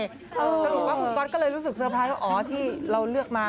สรุปว่าคุณก๊อตก็เลยรู้สึกเซอร์ไพรส์ว่าอ๋อที่เราเลือกมา